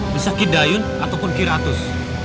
bisa kidayun ataupun kiratus